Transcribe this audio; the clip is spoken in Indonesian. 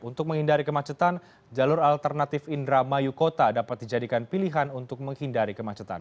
untuk menghindari kemacetan jalur alternatif indramayu kota dapat dijadikan pilihan untuk menghindari kemacetan